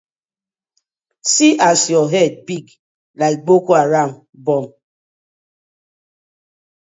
See as yu head big like Boko Haram bomb.